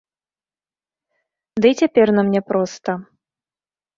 Ды і цяпер нам няпроста.